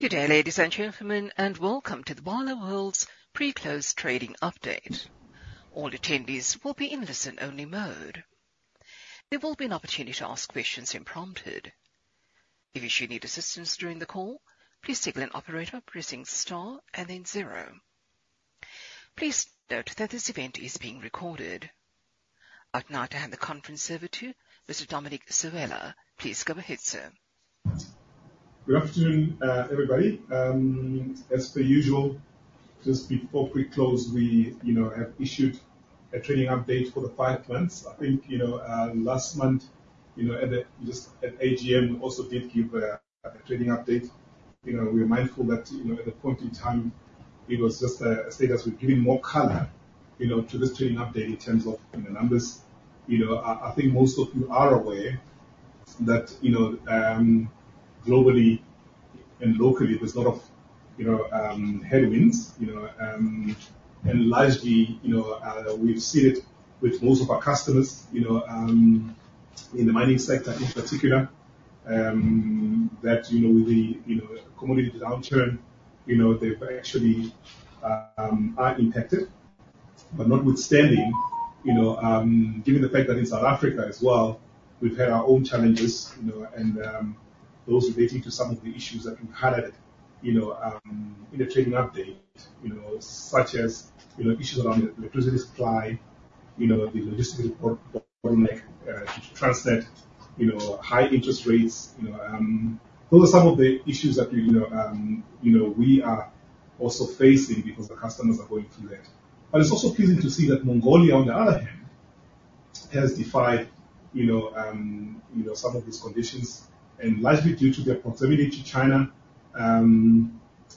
Good day, ladies and gentlemen, and welcome to the Barloworld's pre-close trading update. All attendees will be in listen-only mode. There will be an opportunity to ask questions impromptu. If you should need assistance during the call, please signal an operator pressing star and then 0. Please note that this event is being recorded. I'd like to hand the conference over to Mr. Dominic Sewela. Please go ahead, sir. Good afternoon, everybody. As per usual, just before pre-close, we, you know, have issued a trading update for the 5 months. I think, you know, last month, you know, at the just at AGM, we also did give a trading update. You know, we're mindful that, you know, at the point in time, it was just a status we're giving more color, you know, to this trading update in terms of, you know, numbers. You know, I, I think most of you are aware that, you know, globally and locally, there's a lot of, you know, headwinds, you know, and largely, you know, we've seen it with most of our customers, you know, in the mining sector in particular, that, you know, with the, you know, commodity downturn, you know, they've actually, are impacted but notwithstanding, you know, given the fact that in South Africa as well, we've had our own challenges, you know, and, those relating to some of the issues that we've highlighted, you know, in the trading update, you know, such as, you know, issues around the electricity supply, you know, the logistical bottleneck Transnet, you know, high interest rates, you know, those are some of the issues that we, you know, you know, we are also facing because our customers are going through that. But it's also pleasing to see that Mongolia, on the other hand, has defied you know some of these conditions. And largely due to the opportunity to China,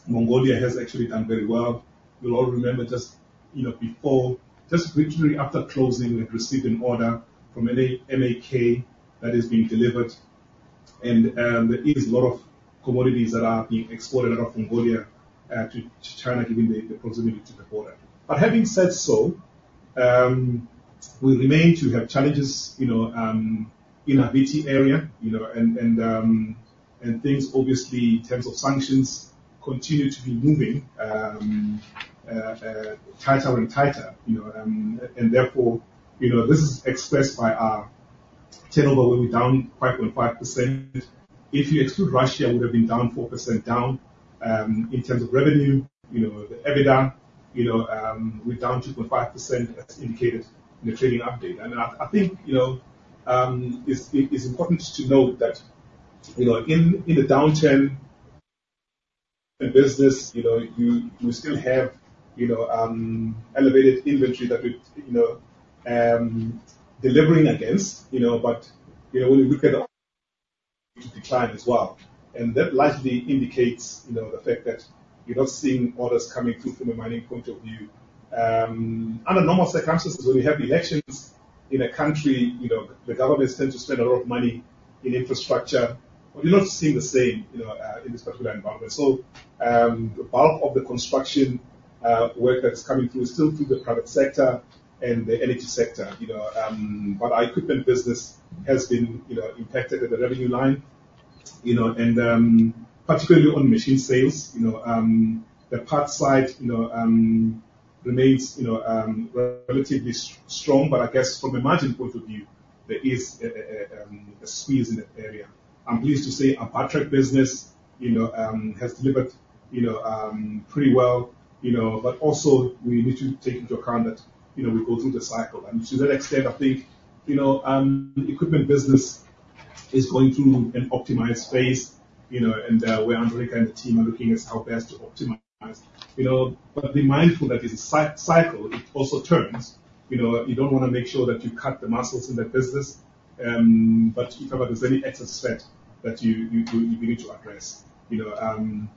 Mongolia has actually done very well. You'll all remember just you know before just literally after closing, we've received an order from an MAK that is being delivered. And there is a lot of commodities that are being exported out of Mongolia to China given the proximity to the border. But having said so, we remain to have challenges you know in our VT area you know and things obviously in terms of sanctions continue to be moving tighter and tighter you know and therefore you know this is expressed by our turnover where we're down 5.5%. If you exclude Russia, we would have been down 4% down, in terms of revenue, you know, the EBITDA, you know, we're down 2.5% as indicated in the trading update. I think, you know, it's important to note that, you know, in the downturn in business, you know, you still have, you know, elevated inventory that we're, you know, delivering against, you know, but, you know, when you look at the decline as well. That largely indicates, you know, the fact that you're not seeing orders coming through from a mining point of view. Under normal circumstances, when you have elections in a country, you know, the governments tend to spend a lot of money in infrastructure, but you're not seeing the same, you know, in this particular environment. So, the bulk of the construction work that's coming through is still through the private sector and the energy sector, you know, but our equipment business has been, you know, impacted at the revenue line, you know, and particularly on machine sales, you know, the parts side, you know, remains, you know, relatively strong. But I guess from a margin point of view, there is a squeeze in that area. I'm pleased to say our battery business, you know, has delivered, you know, pretty well, you know, but also we need to take into account that, you know, we go through the cycle. And to that extent, I think, you know, equipment business is going through an optimized phase, you know, and we're Andronicca and the team are looking at how best to optimize, you know, but be mindful that it's a cycle. It also turns. You know, you don't wanna make sure that you cut the muscles in that business, but if ever there's any excess fat that you need to address, you know,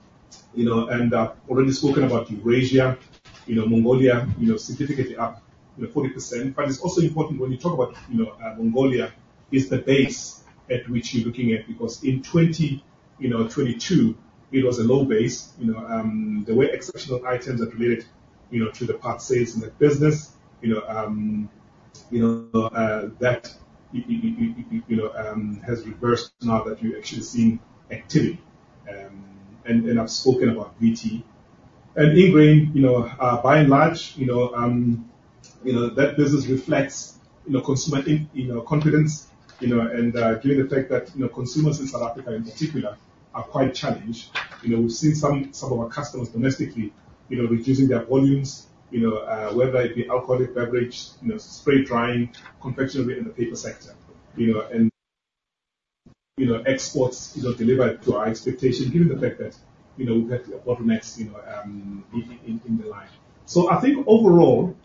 you know, and already spoken about Eurasia, you know, Mongolia, you know, significantly up, you know, 40%. But it's also important when you talk about, you know, Mongolia is the base at which you're looking at because in 2020, you know, 2022, it was a low base, you know, you know, there were exceptional items that related, you know, to the parts sales in that business, you know, you know, that you know has reversed now that you're actually seeing activity, and I've spoken about VT. Ingrain, you know, by and large, you know, you know, that business reflects, you know, consumer, you know, confidence, you know, and given the fact that, you know, consumers in South Africa in particular are quite challenged, you know, we've seen some of our customers domestically, you know, reducing their volumes, you know, whether it be alcoholic beverage, you know, spray drying, confectionery, and the paper sector, you know, and you know, exports do not deliver to our expectation, given the fact that, you know, we've had the bottlenecks, you know, in the line. So I think overall,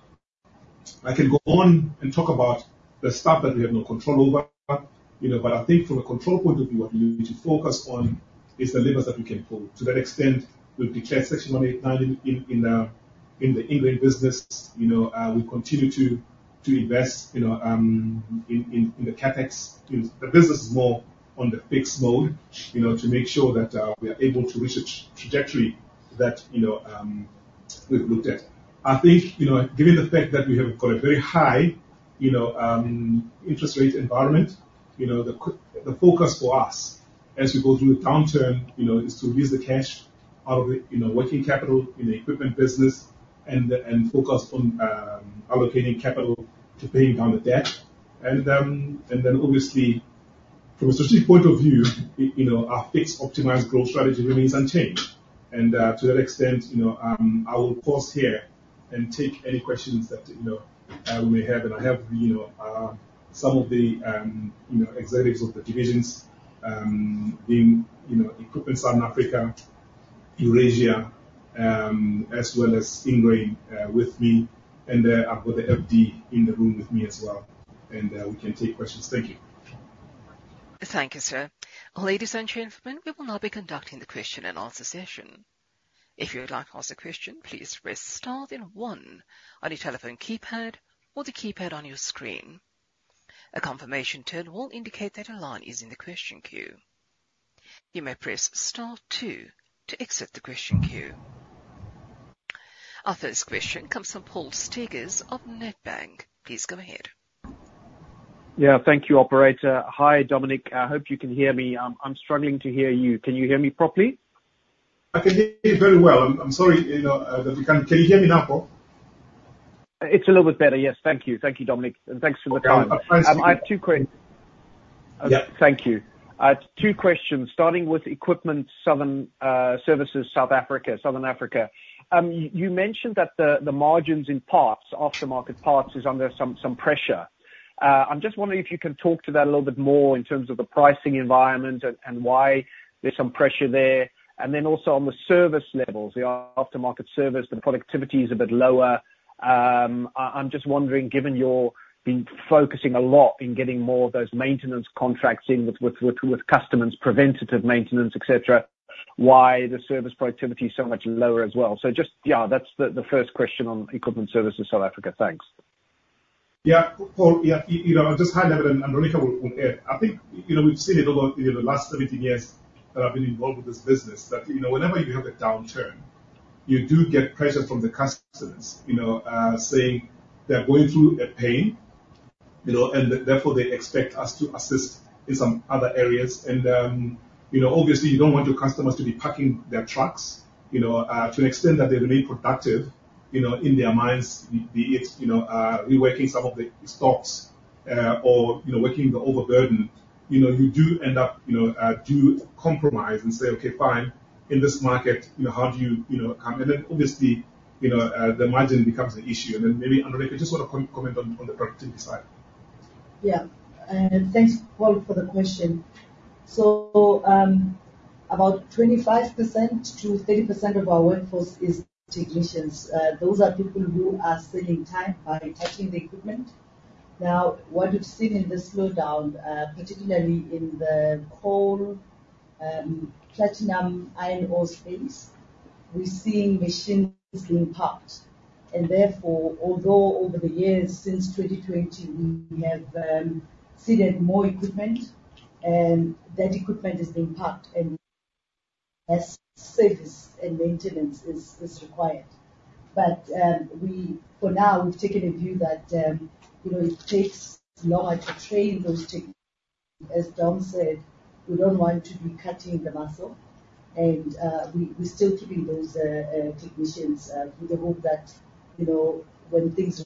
I can go on and talk about the stuff that we have no control over, you know, but I think from a control point of view, what we need to focus on is the levers that we can pull. To that extent, we've declared Section 189 in the Ingrain business, you know, we continue to invest, you know, in the CapEx. You know, the business is more on the fixed mode, you know, to make sure that we are able to reach a trajectory that, you know, we've looked at. I think, you know, given the fact that we have got a very high, you know, interest rate environment, you know, the focus for us as we go through the downturn, you know, is to use the cash out of the, you know, working capital in the equipment business and focus on allocating capital to paying down the debt. And then obviously, from a strategic point of view, you know, our fixed optimized growth strategy remains unchanged. To that extent, you know, I will pause here and take any questions that, you know, we may have. I have, you know, some of the, you know, executives of the divisions, in, you know, equipment South Africa, Eurasia, as well as Ingrain, with me. I've got the FD in the room with me as well. We can take questions. Thank you. Thank you, sir. Ladies and gentlemen, we will now be conducting the question-and-answer session. If you would like to ask a question, please press star then one on your telephone keypad or the keypad on your screen. A confirmation tone will indicate that a line is in the question queue. You may press star two to exit the question queue. Our first question comes from Paul Steegers of Nedbank. Please go ahead. Yeah. Thank you, operator. Hi, Dominic. I hope you can hear me. I'm struggling to hear you. Can you hear me properly? I can hear you very well. I'm sorry, you know, that we can't. Can you hear me now, Paul? It's a little bit better, yes. Thank you. Thank you, Dominic. Thanks for the time. Yeah. I'm fine too. I have two questions. Yeah. Thank you. Two questions, starting with Equipment Southern Africa services, South Africa, Southern Africa. You mentioned that the margins in parts, aftermarket parts, is under some pressure. I'm just wondering if you can talk to that a little bit more in terms of the pricing environment and why there's some pressure there. And then also on the service levels, the aftermarket service, the productivity is a bit lower. I'm just wondering, given your being focusing a lot in getting more of those maintenance contracts in with customers, preventative maintenance, etc., why the service productivity is so much lower as well. So just, yeah, that's the first question on equipment services South Africa. Thanks. Yeah. Paul, yeah. You know, I'll just highlight that, and Andronicca will add. I think, you know, we've seen it over, you know, the last 17 years that I've been involved with this business, that, you know, whenever you have a downturn, you do get pressure from the customers, you know, saying they're going through a pain, you know, and therefore they expect us to assist in some other areas. And, you know, obviously, you don't want your customers to be parking their trucks, you know, to an extent that they remain productive, you know, in their minds, be it, you know, reworking some of the stocks, or, you know, working the overburden, you know, you do end up, you know, do compromise and say, "Okay. Fine. In this market, you know, how do you, you know, come " and then obviously, you know, the margin becomes an issue. And then maybe Andronicca, just wanna comment on the productivity side. Yeah. Thanks, Paul, for the question. So, about 25%-30% of our workforce is technicians. Those are people who are saving time by touching the equipment. Now, what we've seen in the slowdown, particularly in the coal, platinum, iron ore space, we're seeing machines being parked. And therefore, although over the years since 2020, we have seen more equipment, that equipment is being parked and has service and maintenance is required. But, we for now, we've taken a view that, you know, it takes longer to train those technicians. As Dom said, we don't want to be cutting the muscle. And, we're still keeping those technicians, with the hope that, you know, when things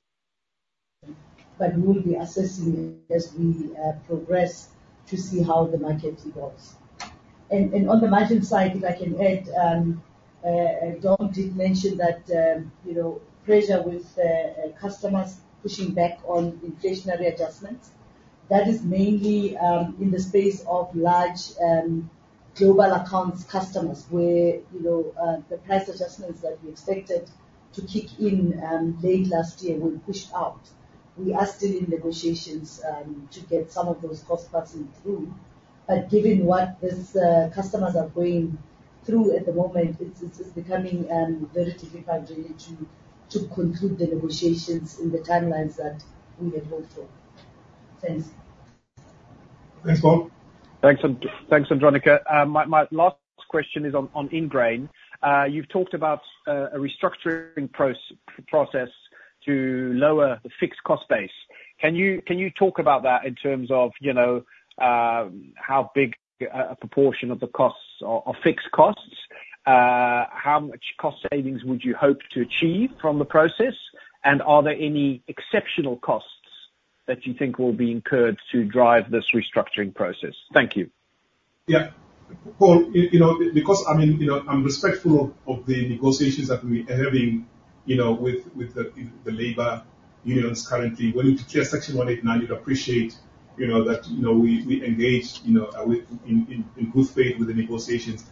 but we will be assessing as we progress to see how the market evolves. On the margin side, if I can add, Dom did mention that, you know, pressure with customers pushing back on inflationary adjustments. That is mainly in the space of large global accounts customers where, you know, the price adjustments that we expected to kick in late last year were pushed out. We are still in negotiations to get some of those costs buzzing through. But given what these customers are going through at the moment, it's becoming very difficult really to conclude the negotiations in the timelines that we had hoped for. Thanks. Thanks, Paul. Thanks, and thanks, Andronicca. My last question is on Ingrain. You've talked about a restructuring process to lower the fixed cost base. Can you talk about that in terms of, you know, how big a proportion of the costs are fixed costs? How much cost savings would you hope to achieve from the process? And are there any exceptional costs that you think will be incurred to drive this restructuring process? Thank you. Yeah. Paul, you know, because I mean, you know, I'm respectful of the negotiations that we are having, you know, with the labor unions currently. When you declare Section 189, you'd appreciate, you know, that, you know, we engage, you know, in good faith with the negotiations.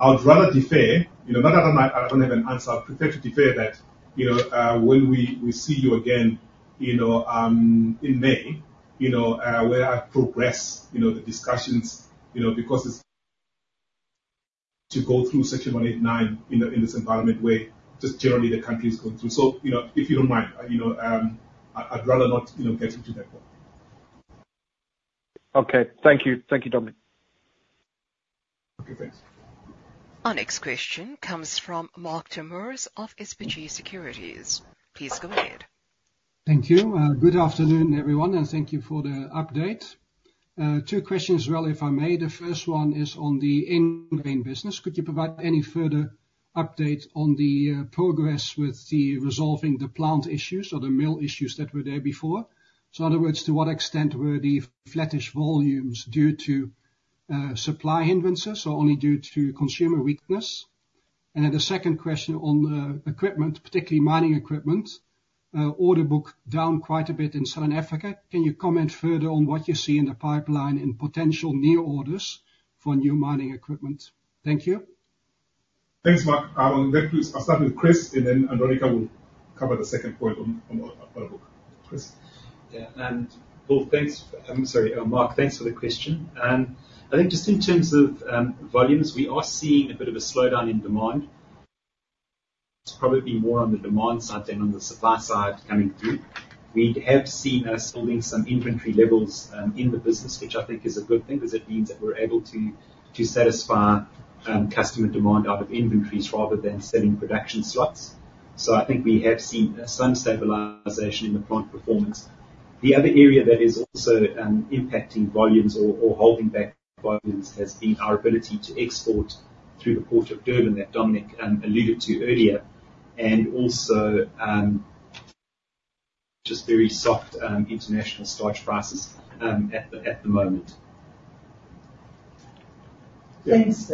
I'd rather defer, you know, not that I'm not. I don't have an answer. I'd prefer to defer that, you know, when we see you again, you know, in May, you know, where I progress the discussions, you know, because it's to go through Section 189 in this environment where just generally the country is going through. So, you know, if you don't mind, you know, I'd rather not, you know, get into that point. Okay. Thank you. Thank you, Dom. Okay. Thanks. Our next question comes from Marc Ter Mors of SBG Securities. Please go ahead. Thank you. Good afternoon, everyone, and thank you for the update. Two questions as well, if I may. The first one is on the Ingrain business. Could you provide any further update on the progress with resolving the plant issues or the mill issues that were there before? So in other words, to what extent were the flattish volumes due to supply hindrances or only due to consumer weakness? And then the second question on equipment, particularly mining equipment, order book down quite a bit in Southern Africa. Can you comment further on what you see in the pipeline in potential new orders for new mining equipment? Thank you. Thanks, Marc. I will let Chris. I'll start with Chris, and then Andronicca will cover the second point on order book. Chris. Yeah. And Paul, thanks for—I'm sorry, Mark, thanks for the question. I think just in terms of volumes, we are seeing a bit of a slowdown in demand. It's probably more on the demand side than on the supply side coming through. We have seen us holding some inventory levels in the business, which I think is a good thing 'cause it means that we're able to satisfy customer demand out of inventories rather than selling production slots. So I think we have seen some stabilization in the plant performance. The other area that is also impacting volumes or holding back volumes has been our ability to export through the port of Durban that Dominic alluded to earlier and also just very soft international starch prices at the moment. Thanks,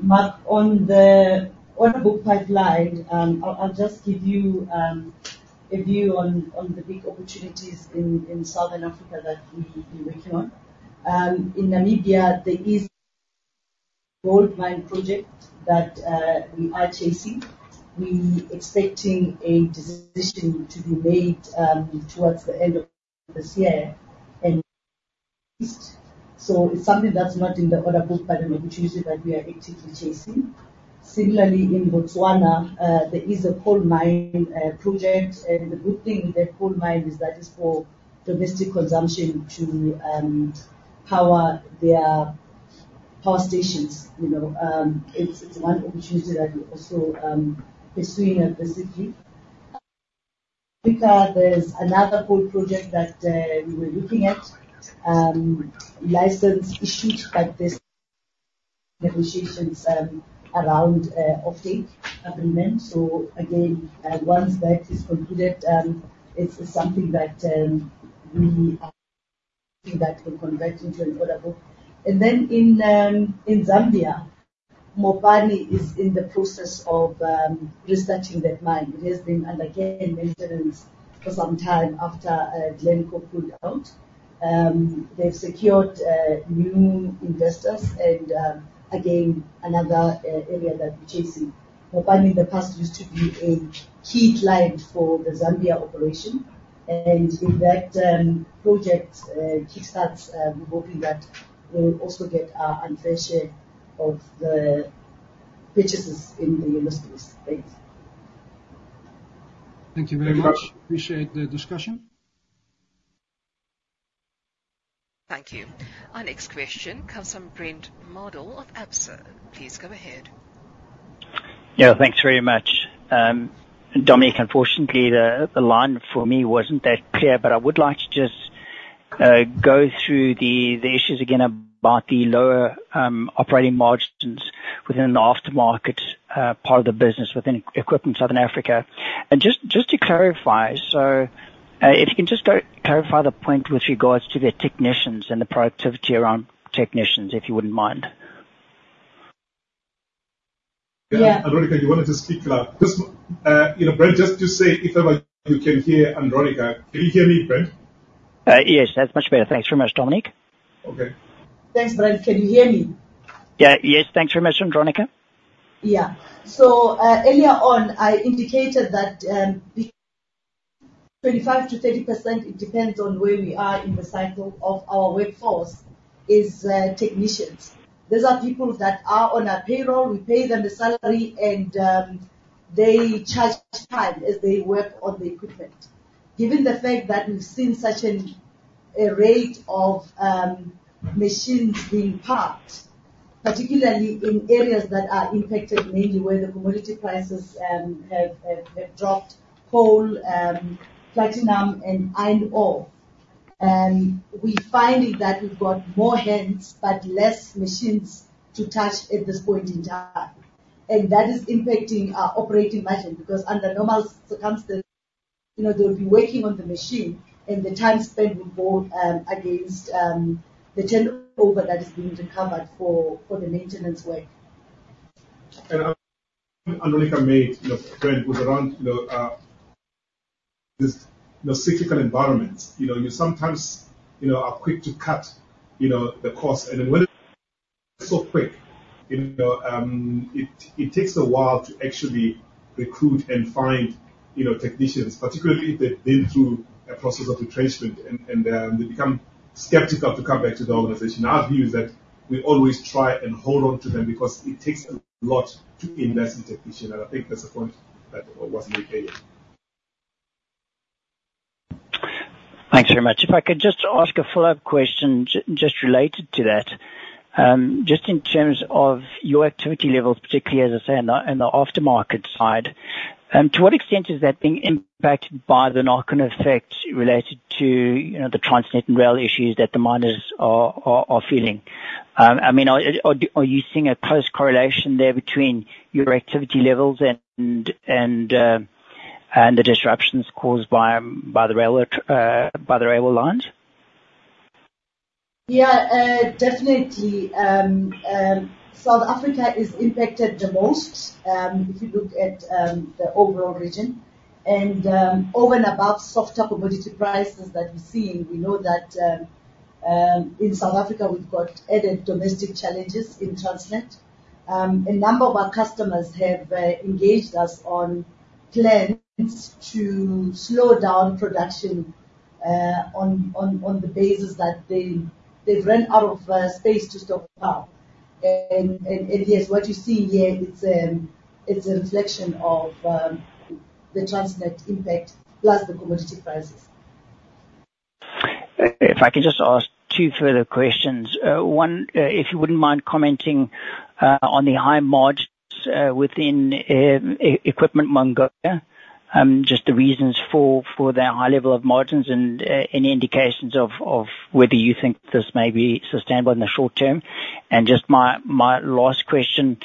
Mark. On the order book pipeline, I'll just give you a view on the big opportunities in Southern Africa that we've been working on. In Namibia, there is a gold mine project that we are chasing. We're expecting a decision to be made towards the end of this year, at least. So it's something that's not in the order book but an opportunity that we are actively chasing. Similarly, in Botswana, there is a coal mine project. And the good thing with that coal mine is that it's for domestic consumption to power their power stations, you know. It's one opportunity that we're also pursuing aggressively. In Africa, there's another coal project that we were looking at, license issued by this negotiations, around offtake agreement. So again, once that is concluded, it's, it's something that we are hoping that we'll convert into an order book. And then in Zambia, Mopani is in the process of restarting that mine. It has been under care and maintenance for some time after Glencore pulled out. They've secured new investors. And again, another area that we're chasing. Mopani in the past used to be a key client for the Zambia operation. And if that project kickstarts, we're hoping that we'll also get our unfair share of the purchases in the industries. Thanks. Thank you very much. Appreciate the discussion. Thank you. Our next question comes from Brent Madel of Absa. Please go ahead. Yeah. Thanks very much. Dominic, unfortunately, the line for me wasn't that clear. But I would like to just go through the issues again about the lower operating margins within the aftermarket part of the business within Equipment Southern Africa. And just to clarify, so if you can just go clarify the point with regards to the technicians and the productivity around technicians, if you wouldn't mind. Yeah. Andronicca, you wanted to speak loud. Just, you know, Brent, just to say if ever you can hear Andronicca. Can you hear me, Brent? Yes. That's much better. Thanks very much, Dominic. Okay. Thanks, Brent. Can you hear me? Yeah. Yes. Thanks very much, Andronicca. Yeah. So, earlier on, I indicated that 25%-30%—it depends on where we are in the cycle of our workforce—is technicians. These are people that are on a payroll. We pay them a salary, and they charge time as they work on the equipment. Given the fact that we've seen such a rate of machines being parked, particularly in areas that are impacted mainly where the commodity prices have dropped: coal, platinum, and iron ore, we're finding that we've got more hands but less machines to touch at this point in time. And that is impacting our operating margin because under normal circumstances, you know, they would be working on the machine, and the time spent would go against the turnover that is being recovered for the maintenance work. Andronicca made, you know, Brent was around, you know, this, you know, cyclical environments. You know, you sometimes, you know, are quick to cut, you know, the cost. And then when it's so quick, you know, it takes a while to actually recruit and find, you know, technicians, particularly if they've been through a process of retrenchment and they become skeptical to come back to the organization. Our view is that we always try and hold on to them because it takes a lot to invest in technician. And I think that's a point that was made earlier. Thanks very much. If I could just ask a follow-up question just related to that, just in terms of your activity levels, particularly, as I say, on the aftermarket side, to what extent is that being impacted by the knock-on effects related to, you know, the Transnet and rail issues that the miners are feeling? I mean, are you seeing a close correlation there between your activity levels and the disruptions caused by the railway lines? Yeah. Definitely. South Africa is impacted the most, if you look at the overall region. And, over and above soft top commodity prices that we're seeing, we know that in South Africa we've got added domestic challenges in Transnet. A number of our customers have engaged us on plans to slow down production on the basis that they've run out of space to store power. And yes, what you're seeing here, it's a reflection of the Transnet impact plus the commodity prices. If I could just ask two further questions. One, if you wouldn't mind commenting on the high margins within Equipment Mongolia, just the reasons for their high level of margins and any indications of whether you think this may be sustainable in the short term. And just my last question,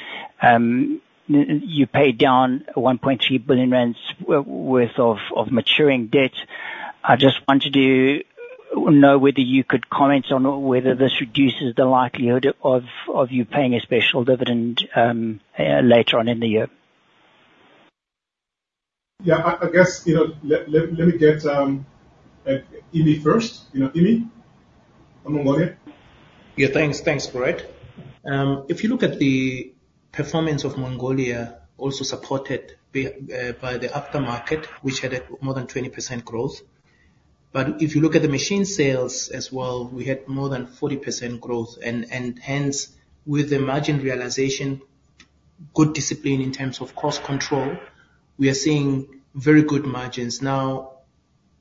you paid down 1.3 billion rand worth of maturing debt. I just wanted to know whether you could comment on whether this reduces the likelihood of you paying a special dividend later on in the year. Yeah. I guess, you know, let me get Emmy first. You know, Emmy on Mongolia? Yeah. Thanks. Thanks, Brent. If you look at the performance of Mongolia, also supported by the aftermarket, which had more than 20% growth. But if you look at the machine sales as well, we had more than 40% growth. And, and hence, with the margin realization, good discipline in terms of cost control, we are seeing very good margins. Now,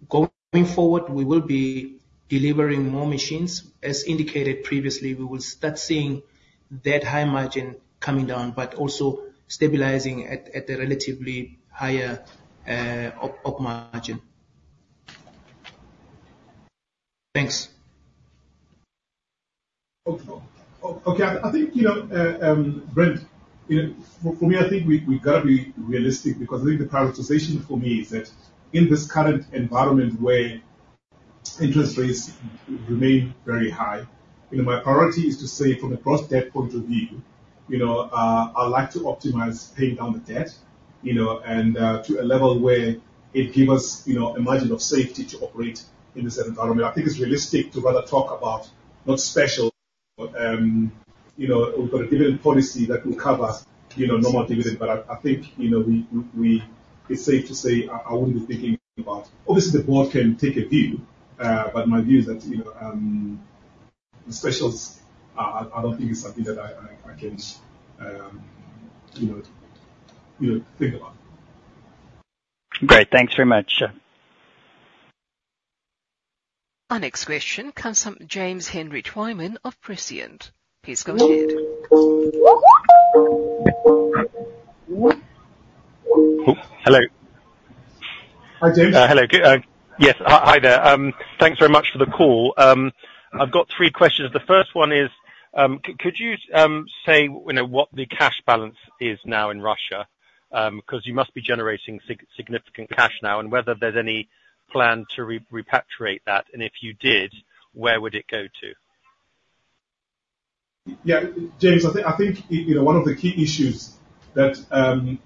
going forward, we will be delivering more machines. As indicated previously, we will start seeing that high margin coming down but also stabilizing at, at the relatively higher, op margin. Thanks. Okay. I think, you know, Brent, you know, for me, I think we've gotta be realistic because I think the prioritization for me is that in this current environment where interest rates remain very high, you know, my priority is to say, from a gross debt point of view, you know, I'd like to optimize paying down the debt, you know, and to a level where it gives us, you know, a margin of safety to operate in this environment. I think it's realistic to rather talk about not special, but, you know, we've got a dividend policy that will cover, you know, normal dividend. I think, you know, it's safe to say I wouldn't be thinking about obviously. The board can take a view, but my view is that, you know, specials. I can, you know, think about. Great. Thanks very much. Our next question comes from James Twyman of Prescient Securities. Please go ahead. Oh. Hello. Hi, James. Hello. Good. Yes. Hi, hi there. Thanks very much for the call. I've got three questions. The first one is, could you say, you know, what the cash balance is now in Russia, 'cause you must be generating significant cash now and whether there's any plan to repatriate that. And if you did, where would it go to? Yeah. James, I think, you know, one of the key issues that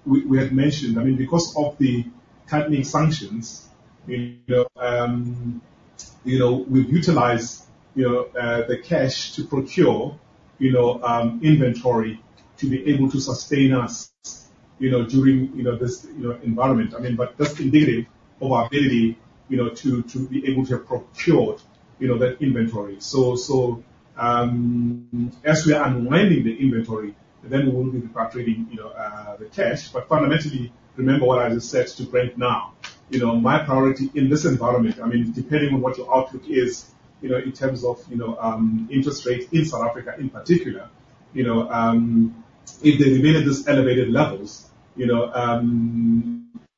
we had mentioned, I mean, because of the tightening sanctions, you know, we've utilized the cash to procure inventory to be able to sustain us during this environment. I mean, but that's indicative of our ability to be able to have procured that inventory. So, as we are unwinding the inventory, then we will be repatriating the cash. But fundamentally, remember what I just said to Brent now. You know, my priority in this environment, I mean, depending on what your outlook is, you know, in terms of, you know, interest rates in South Africa in particular, you know, if they remain at these elevated levels, you know,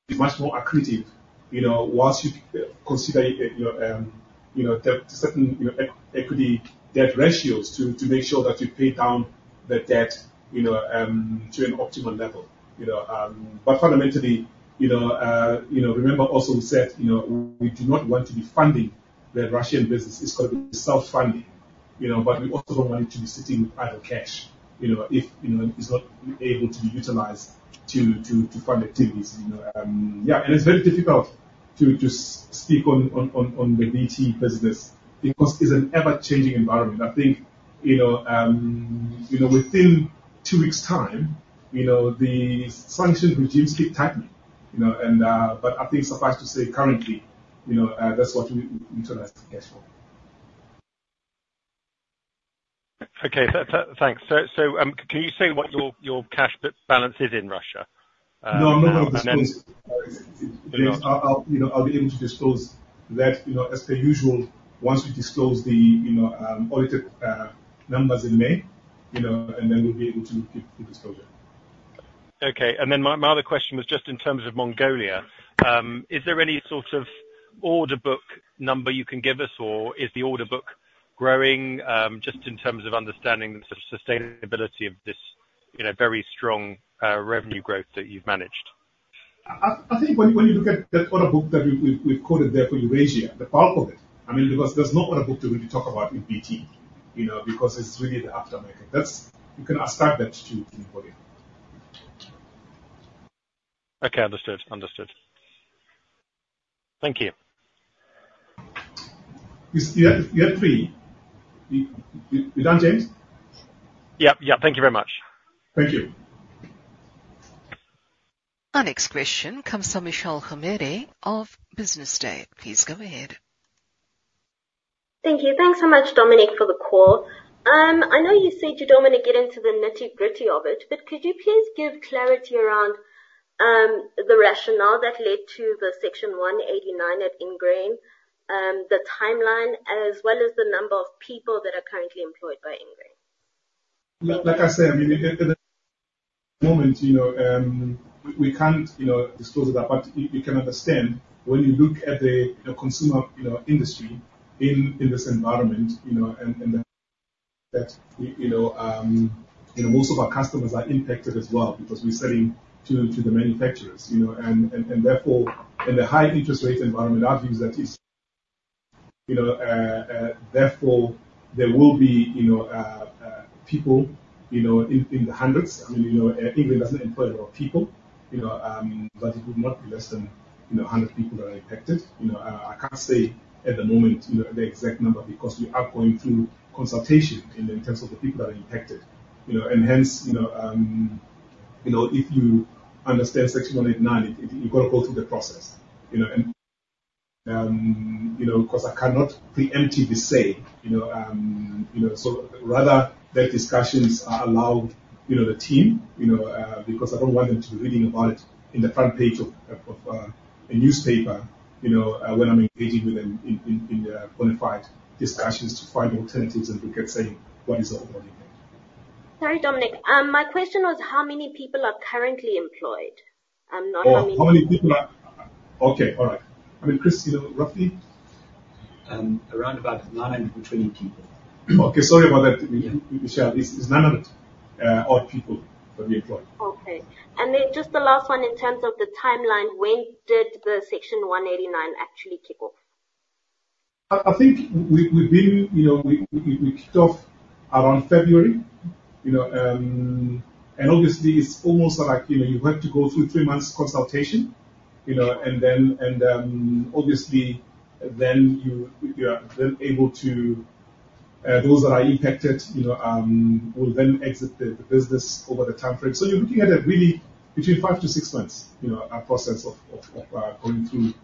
it's much more accretive, you know, once you consider, you know, you know, certain, you know, equity debt ratios to, to make sure that you pay down the debt, you know, to an optimal level, you know. But fundamentally, you know, you know, remember also we said, you know, we do not want to be funding the Russian business. It's gotta be self-funding, you know. But we also don't want it to be sitting with idle cash, you know, if, you know, it's not able to be utilized to, to, to fund activities, you know. Yeah. It's very difficult to speak on the VT business because it's an ever-changing environment. I think, you know, within two weeks' time, you know, the sanction regimes keep tightening, you know. But I think suffice to say currently, you know, that's what we utilize the cash for. Okay. Thanks. So, can you say what your cash balance is in Russia? And then. No, I'm not gonna disclose. You know, I'll be able to disclose that, you know, as per usual, once we disclose the, you know, audited numbers in May, you know, and then we'll be able to give full disclosure. Okay. And then my other question was just in terms of Mongolia. Is there any sort of order book number you can give us, or is the order book growing, just in terms of understanding the sustainability of this, you know, very strong revenue growth that you've managed? I think when you look at that order book that we've quoted there for Eurasia, the bulk of it, I mean, because there's no other book to really talk about in VT, you know, because it's really the aftermarket. That's, you can ask that to Mongolia. Okay. Understood. Understood. Thank you. You had three. You done, James? Yep. Yep. Thank you very much. Thank you. Our next question comes from Michelle Gumede of Business Day. Please go ahead. Thank you. Thanks so much, Dominic, for the call. I know you said you'd normally get into the nitty-gritty of it, but could you please give clarity around the rationale that led to the Section 189 at Ingrain, the timeline, as well as the number of people that are currently employed by Ingrain? Like I say, I mean, at the moment, you know, we can't, you know, disclose it that much. We can understand when you look at the, you know, consumer, you know, industry in this environment, you know, and that we, you know, most of our customers are impacted as well because we're selling to the manufacturers, you know. And therefore, in the high-interest-rate environment, our view is that it's, you know, therefore, there will be, you know, people, you know, in the hundreds. I mean, you know, Ingrain doesn't employ a lot of people, you know, but it would not be less than, you know, 100 people that are impacted. You know, I can't say at the moment, you know, the exact number because we are going through consultation in terms of the people that are impacted, you know. And hence, you know, if you understand Section 189, it you've gotta go through the process, you know. And, you know, 'cause I cannot preemptively say, you know, so rather, that discussions allow, you know, the team, you know, because I don't want them to be reading about it in the front page of a newspaper, you know, when I'm engaging with them in the bona fide discussions to find alternatives and to get saying what is the overall impact. Sorry, Dominic. My question was how many people are currently employed, not how many. Oh, how many people are okay? All right. I mean, Chris, you know, roughly? around about 920 people. Okay. Sorry about that, Michelle. It's 900-odd people that we employ. Okay. And then just the last one in terms of the timeline, when did the Section 189 actually kick off? I think we've been, you know, we kicked off around February, you know. Obviously, it's almost like, you know, you have to go through three months' consultation, you know, and then, obviously, then you are able to those that are impacted, you know, will then exit the business over the time frame. So you're looking at really between 5-6 months, you know, a process of going through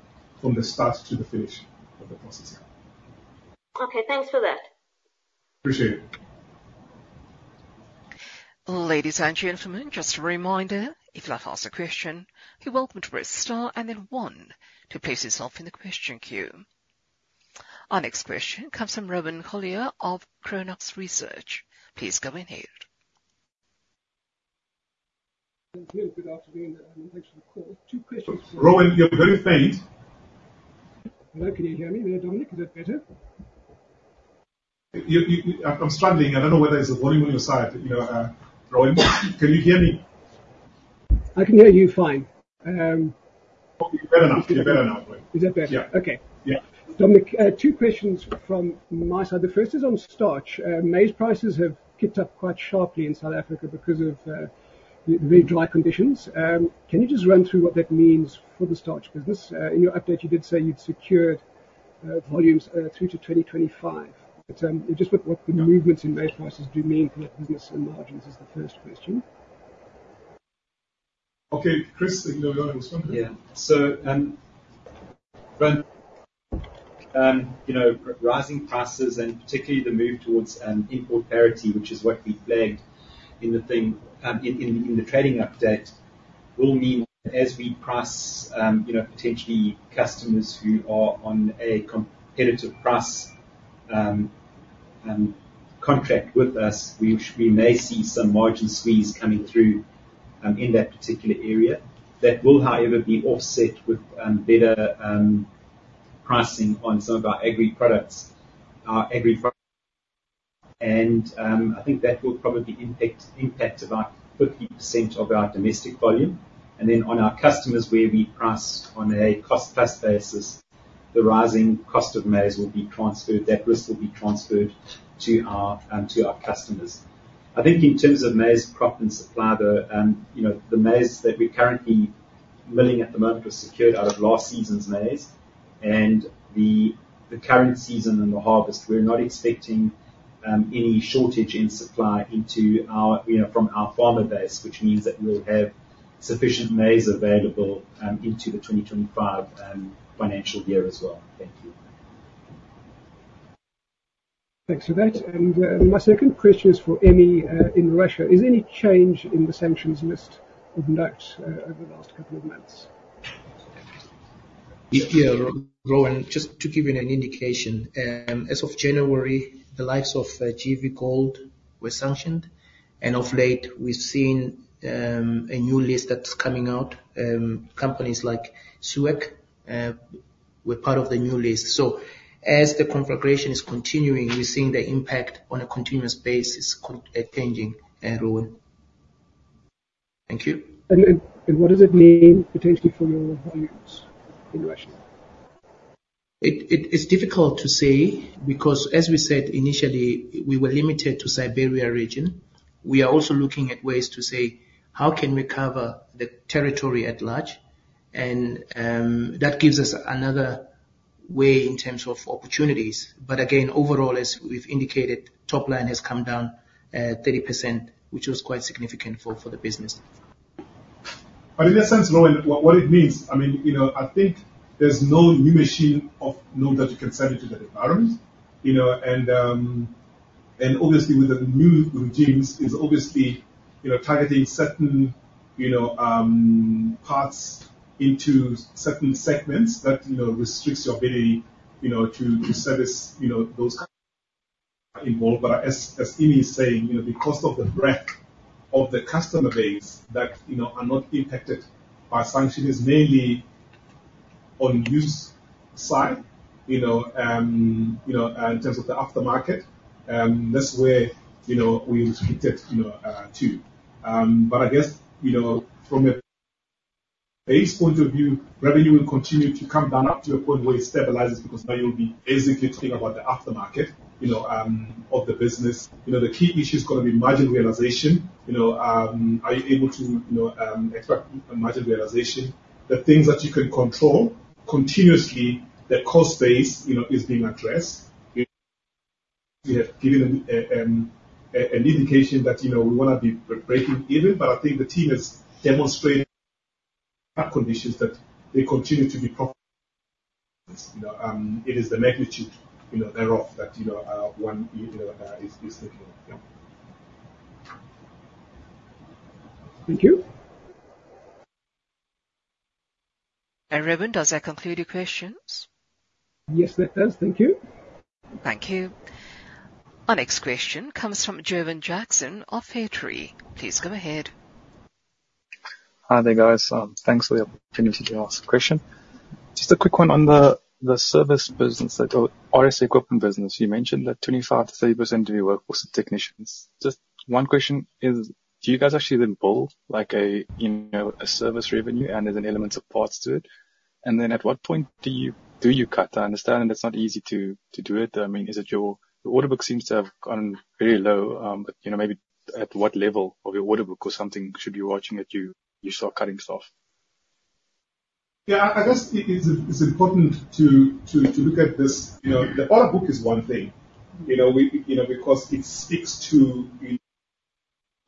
from the start to the finish of the process here. Okay. Thanks for that. Appreciate it. Ladies and gentlemen, just a reminder, if you'd like to ask a question, you're welcome to press star and then one to place yourself in the question queue. Our next question comes from Rowan Goeller of Chronux Research. Please go ahead. Thank you. Good afternoon. Thanks for the call. Two questions for. Rowan, you're very faint. Hello. Can you hear me there, Dominic? Is that better? I'm struggling. I don't know whether it's the volume on your side, you know, Rowan. Can you hear me? I can hear you fine. Oh, you're better now. You're better now, Rowan. Is that better? Yeah. Yeah. Yeah. Dominic, two questions from my side. The first is on starch. Maize prices have kicked up quite sharply in South Africa because of the very dry conditions. Can you just run through what that means for the starch business? In your update, you did say you'd secured volumes through to 2025. But just what the movements in maize prices do mean for your business and margins is the first question. Okay. Chris, you know, you want to respond to that? Yeah. So, Brent, you know, rising prices and particularly the move towards import parity, which is what we flagged in the thing in the trading update, will mean that as we price, you know, potentially customers who are on a competitive price contract with us, we sh we may see some margin squeeze coming through in that particular area. That will, however, be offset with better pricing on some of our agri-products, our agri-products. And I think that will probably impact impact about 50% of our domestic volume. And then on our customers, where we price on a cost-plus basis, the rising cost of maize will be transferred. That risk will be transferred to our, to our customers. I think in terms of maize crop and supply, though, you know, the maize that we're currently milling at the moment was secured out of last season's maize. The current season and the harvest, we're not expecting any shortage in supply into our, you know, from our farmer base, which means that we'll have sufficient maize available into the 2025 financial year as well. Thank you. Thanks for that. My second question is for Emmy, in Russia. Is any change in the sanctions list introduced, over the last couple of months? Yeah. Rowan, just to give you an indication, as of January, the likes of GV Gold were sanctioned. And of late, we've seen a new list that's coming out. Companies like SUEK were part of the new list. So as the conflagration is continuing, we're seeing the impact on a continuous basis constantly changing, Rowan. Thank you. What does it mean, potentially, for your volumes in Russia? It's difficult to say because, as we said initially, we were limited to the Siberia region. We are also looking at ways to say, how can we cover the territory at large? That gives us another way in terms of opportunities. But again, overall, as we've indicated, top line has come down 30%, which was quite significant for the business. But in a sense, Rowan, what it means I mean, you know, I think there's no new machine you know that you can send it to Eurasia, you know. And obviously, with the new regimes, it's obviously, you know, targeting certain, you know, parts into certain segments that, you know, restricts your ability, you know, to, to service, you know, those kinds involved. But as Emmy is saying, you know, the cost of the breadth of the customer base that, you know, are not impacted by sanction is mainly on use side, you know, you know, in terms of the aftermarket. That's where, you know, we restricted, you know, to. But I guess, you know, from a base point of view, revenue will continue to come down up to a point where it stabilizes because now you'll be basically talking about the aftermarket, you know, of the business. You know, the key issue's gonna be margin realization, you know. Are you able to, you know, expect margin realization? The things that you can control continuously, the cost base, you know, is being addressed. You have given an indication that, you know, we wanna be breaking even. But I think the team has demonstrated that conditions that they continue to be profitable, you know. It is the magnitude, you know, thereof that, you know, one you know, is thinking of. Yeah. Thank you. Rowan, does that conclude your questions? Yes, that does. Thank you. Thank you. Our next question comes from Jovan Jackson of Aylett & Co. Please go ahead. Hi there, guys. Thanks for the opportunity to ask a question. Just a quick one on the service business, that or RSA equipment business. You mentioned that 25%-30% of your work was with technicians. Just one question is, do you guys actually then bill, like, you know, a service revenue, and is an element of parts to it? And then at what point do you cut? I understand that it's not easy to do it, though. I mean, is it your—the order book seems to have gone very low, but, you know, maybe at what level of your order book or something should you be watching that you saw cutting stuff? Yeah. I guess it's important to look at this. You know, the order book is one thing, you know, because it speaks to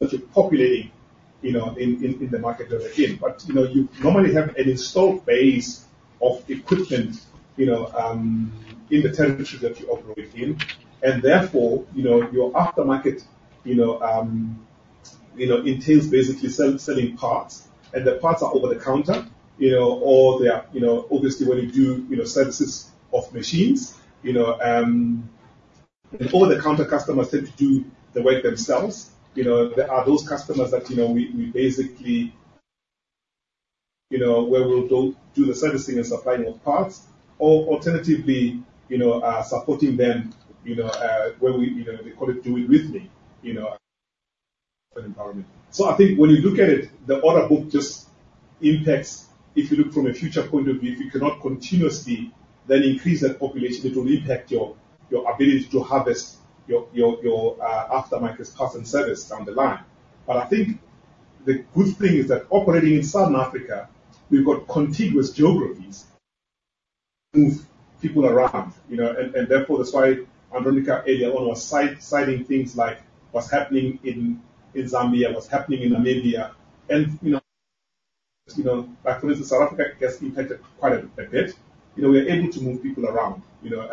that you're populating in the market that you're in. But you know, you normally have an installed base of equipment, you know, in the territory that you operate in. And therefore, you know, your aftermarket, you know, entails basically selling parts. And the parts are over the counter, you know, or they are, you know, obviously, when you do services of machines, you know, an over-the-counter customer tend to do the work themselves. You know, there are those customers that, you know, we, we basically you know, where we'll do, do the servicing and supplying of parts or alternatively, you know, supporting them, you know, where we you know, they call it do it with me, you know, an environment. So I think when you look at it, the order book just impacts if you look from a future point of view, if you cannot continuously then increase that population, it will impact your aftermarket parts and service down the line. But I think the good thing is that operating in Southern Africa, we've got contiguous geographies that move people around, you know. And therefore, that's why Andronicca earlier on was citing things like what's happening in Zambia, what's happening in Namibia. You know, like, for instance, South Africa gets impacted quite a bit. You know, we are able to move people around, you know,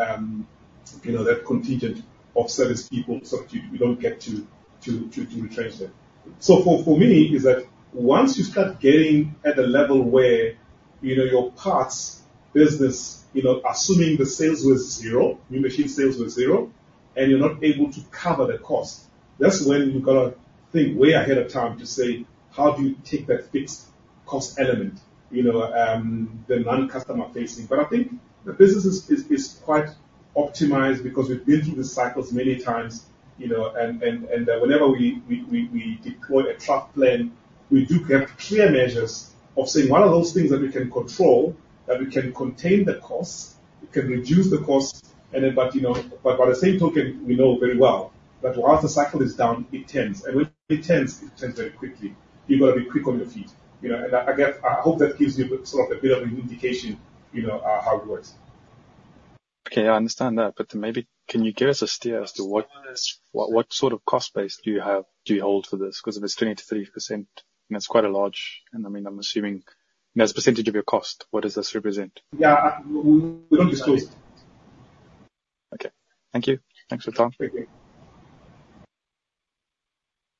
that contingent of service people so that you don't get to retrench them. So for me, is that once you start getting at a level where, you know, your parts business, you know, assuming the sales was zero, new machine sales was zero, and you're not able to cover the cost, that's when you've gotta think way ahead of time to say, how do you take that fixed cost element, you know, the non-customer facing? But I think the business is quite optimized because we've been through these cycles many times, you know. Whenever we deploy a traffic plan, we do have clear measures of saying, what are those things that we can control that we can contain the cost, can reduce the cost? But, you know, by the same token, we know very well that once the cycle is down, it tends. And when it tends, it tends very quickly. You've gotta be quick on your feet, you know. And I guess I hope that gives you a bit sort of a bit of an indication, you know, how it works. Okay. I understand that. But maybe can you give us a steer as to what sort of cost base do you hold for this? 'Cause if it's 20%-30%, I mean, it's quite a large. And I mean, I'm assuming as a percentage of your cost, what does this represent? Yeah. We don't disclose it. Okay. Thank you. Thanks for your time. Thank you.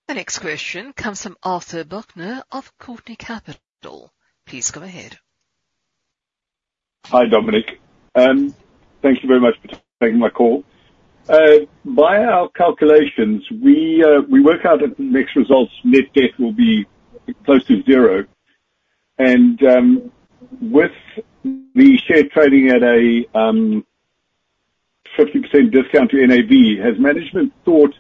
The next question comes from Arthur Buchner of Courtney Capital. Please go ahead. Hi, Dominic. Thank you very much for taking my call. By our calculations, we work out at next results, net debt will be close to zero. With the share trading at a 50% discount to NAV, has management thought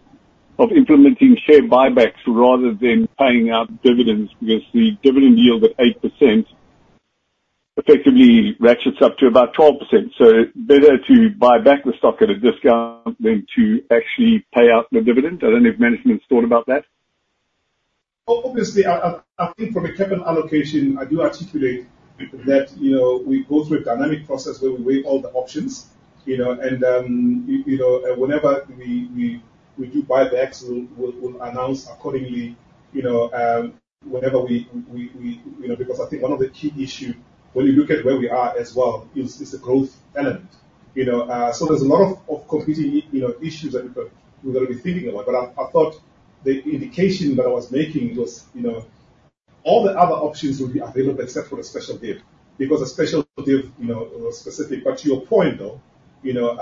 of implementing share buybacks rather than paying out dividends because the dividend yield at 8% effectively ratchets up to about 12%? So better to buy back the stock at a discount than to actually pay out the dividend. I don't know if management's thought about that. Obviously, I think from a capital allocation, I do articulate that, you know, we go through a dynamic process where we weigh all the options, you know. And, you know, whenever we do buybacks, we'll announce accordingly, you know, whenever we, you know, because I think one of the key issue when you look at where we are as well is the growth element, you know. So there's a lot of competing, you know, issues that we've got we've gotta be thinking about. But I thought the indication that I was making was, you know, all the other options will be available except for the special div because the special div, you know, was specific. But to your point, though, you know,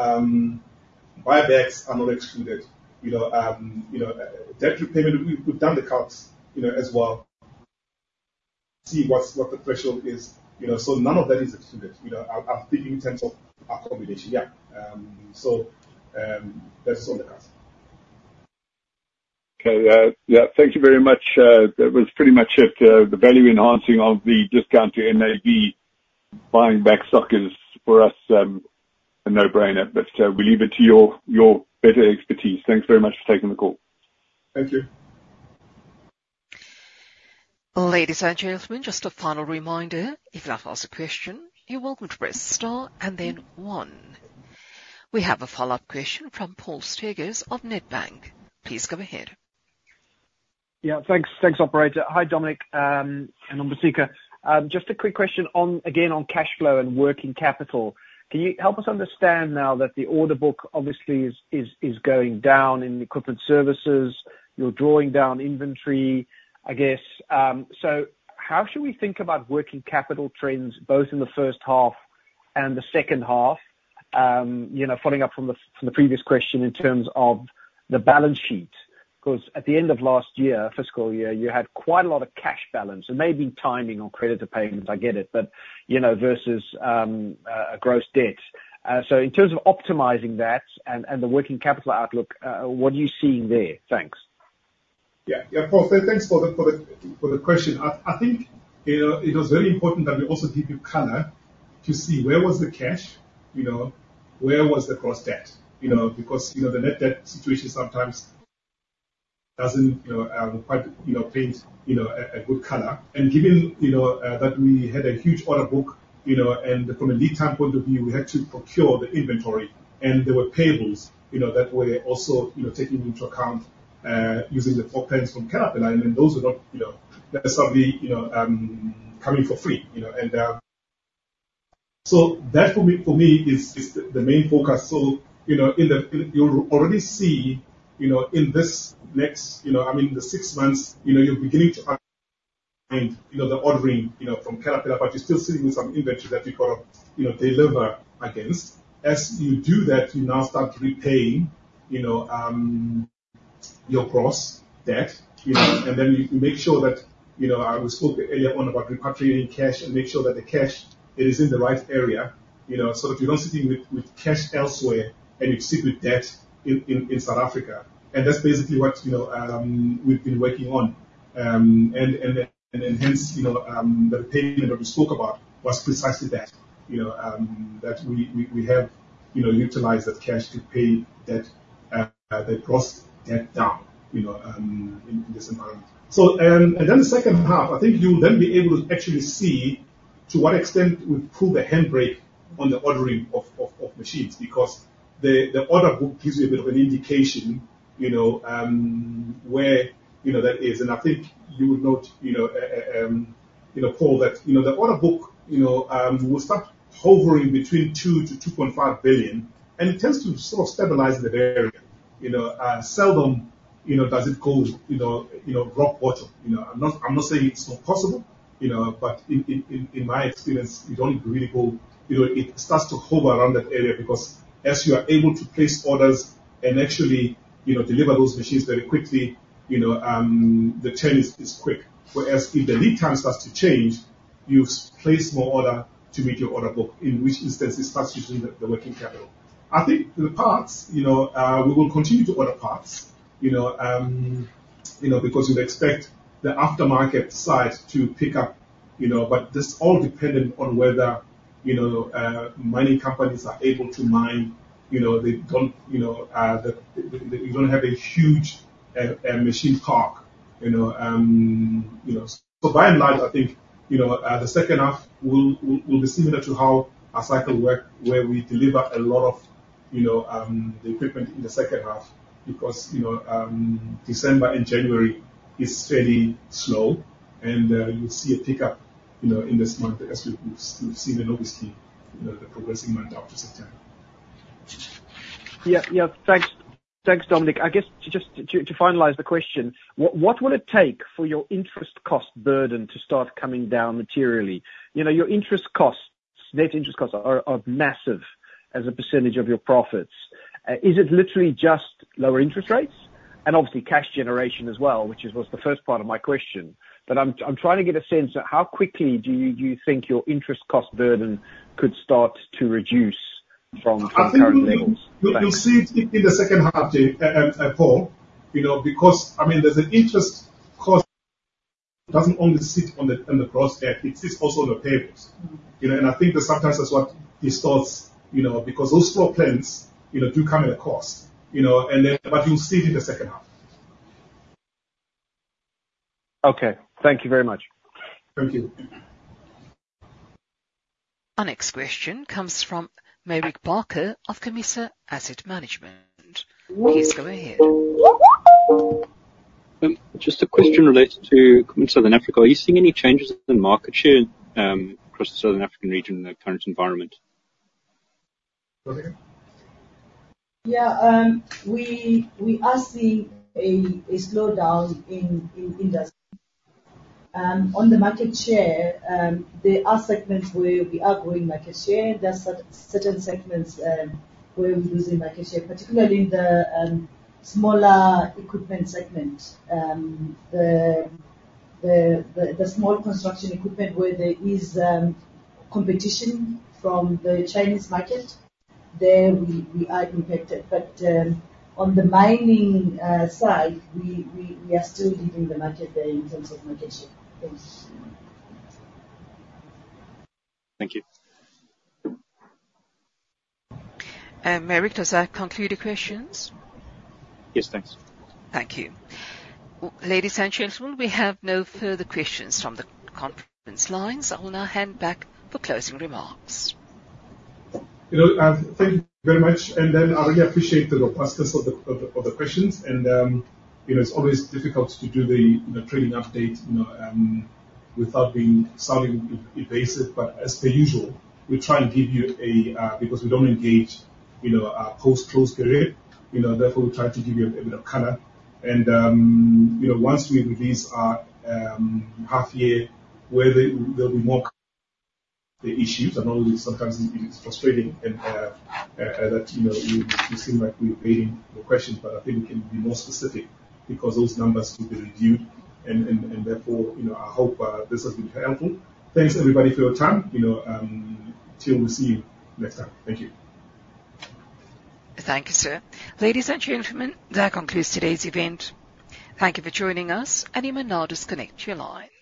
buybacks are not excluded, you know. You know, debt repayment, we've done the calcs, you know, as well. See what the threshold is, you know. So none of that is excluded, you know. I'm thinking in terms of our combination. Yeah. So that's on the calcs. Okay. Yeah. Thank you very much. That was pretty much it, the value enhancing of the discount to NAV buying back stock is for us, a no-brainer. But, we leave it to your, your better expertise. Thanks very much for taking the call. Thank you. Ladies and gentlemen, just a final reminder. If you have asked a question, you're welcome to press star and then one. We have a follow-up question from Paul Steegers of Nedbank. Please go ahead. Yeah. Thanks, thanks, operator. Hi, Dominic and Andronicca. Just a quick question on again on cash flow and working capital. Can you help us understand now that the order book obviously is going down in equipment services? You're drawing down inventory, I guess. So how should we think about working capital trends both in the first half and the second half, you know, following up from the previous question in terms of the balance sheet? 'Cause at the end of last year, fiscal year, you had quite a lot of cash balance. It may have been timing on creditor payments. I get it. But, you know, versus a gross debt. So in terms of optimizing that and the working capital outlook, what are you seeing there? Thanks. Yeah. Yeah, Paul. Thanks for the question. I think, you know, it was very important that we also give you color to see where was the cash, you know, where was the gross debt, you know. Because, you know, the net debt situation sometimes doesn't, you know, quite, you know, paint, you know, a good color. And given, you know, that we had a huge order book, you know, and from a lead time point of view, we had to procure the inventory. And there were payables, you know, that were also, you know, taken into account, using the funds from Caterpillar. And those were not, you know they're suddenly, you know, coming for free, you know. So that for me is the main focus. So, you know, in the results you'll already see, you know, in this next, you know, I mean, in the six months, you know, you're beginning to find, you know, the ordering, you know, from Caterpillar. But you're still sitting with some inventory that you've gotta, you know, deliver against. As you do that, you now start repaying, you know, your gross debt, you know. And then you make sure that, you know, as I spoke earlier on about repatriating cash and make sure that the cash, it is in the right area, you know. So that you're not sitting with cash elsewhere and you sit with debt in South Africa. And that's basically what, you know, we've been working on. Hence, you know, the repayment that we spoke about was precisely that, you know, that we have, you know, utilized that cash to pay debt, the gross debt down, you know, in this environment. So, then the second half, I think you'll then be able to actually see to what extent we've pulled the handbrake on the ordering of machines because the order book gives you a bit of an indication, you know, where, you know, that is. And I think you would note, you know, you know, Paul, that, you know, the order book, you know, will start hovering between 2 billion-2.5 billion. And it tends to sort of stabilize in that area, you know. Seldom, you know, does it go, you know, you know, rock bottom, you know. I'm not saying it's not possible, you know. But in my experience, you don't really go you know, it starts to hover around that area because as you are able to place orders and actually, you know, deliver those machines very quickly, you know, the turn is quick. Whereas if the lead time starts to change, you place more order to meet your order book, in which instance, it starts using the working capital. I think for the parts, you know, we will continue to order parts, you know, because you'd expect the aftermarket side to pick up, you know. But that's all dependent on whether, you know, mining companies are able to mine, you know. They don't, you know, you don't have a huge machine park, you know. So by and large, I think, you know, the second half will be similar to how our cycle work where we deliver a lot of, you know, the equipment in the second half because, you know, December and January is fairly slow. And, you'll see a pickup, you know, in this month as we've seen it obviously, you know, the progressing month up to September. Yeah. Yeah. Thanks. Thanks, Dominic. I guess just to finalize the question, what will it take for your interest cost burden to start coming down materially? You know, your interest costs net interest costs are massive as a percentage of your profits. Is it literally just lower interest rates? And obviously, cash generation as well, which is was the first part of my question. But I'm trying to get a sense of how quickly do you think your interest cost burden could start to reduce from current levels? Thanks. I think you'll see it in the second half, Paul, you know. Because, I mean, there's an interest cost doesn't only sit on the gross debt. It sits also on the payables, you know. And I think that sometimes that's what distorts, you know because those floor plans, you know, do come at a cost, you know. And then but you'll see it in the second half. Okay. Thank you very much. Thank you. Our next question comes from Merrick Barker of Camissa Asset Management. Please go ahead. Just a question relates to coming to Southern Africa. Are you seeing any changes in market share, across the Southern African region in the current environment? Dominic? Yeah. We are seeing a slowdown in that. On the market share, there are segments where we are growing market share. There are certain segments where we're losing market share, particularly in the smaller equipment segment, the small construction equipment where there is competition from the Chinese market. There, we are impacted. But on the mining side, we are still leading the market there in terms of market share. Thanks. Thank you. Merrick, does that conclude the questions? Yes. Thanks. Thank you. Ladies and gentlemen, we have no further questions from the conference lines. I will now hand back for closing remarks. You know, thank you very much. And then I really appreciate the robustness of the questions. And, you know, it's always difficult to do the trading update, you know, without sounding evasive. But as per usual, we try and give you a bit of color because we don't engage, you know, post-close period, you know. Therefore, we try to give you a bit of color. And, you know, once we release our half-year, whether there'll be more issues. I know sometimes it is frustrating and that, you know, you seem like we're waiting for questions. But I think we can be more specific because those numbers will be reviewed. And therefore, you know, I hope this has been helpful. Thanks, everybody, for your time, you know, till we see you next time. Thank you. Thank you, sir. Ladies and gentlemen, that concludes today's event. Thank you for joining us. You may now disconnect your lines.